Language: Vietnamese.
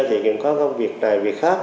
thì cũng có công việc này việc khác